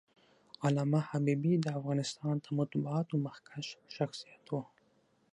علامه حبيبي د افغانستان د مطبوعاتو مخکښ شخصیت و.